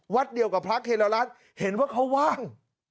วัดเดียวกับพระเคร้อยล้านเห็นว่าเขาว่าง